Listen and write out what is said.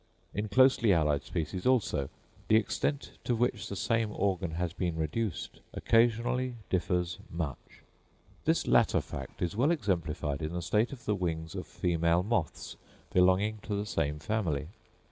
In closely allied species, also, the extent to which the same organ has been reduced occasionally differs much. This latter fact is well exemplified in the state of the wings of female moths belonging to the same family.